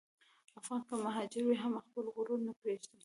افغان که مهاجر وي، هم خپل غرور نه پرېږدي.